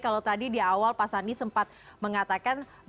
kalau tadi di awal pak sandi sempat mengatakan baru dapat bisiklet